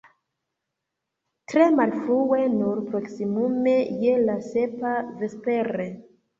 Tre malfrue, nur proksimume je la sepa vespere.